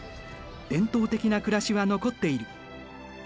伝統的な暮らしは残っている。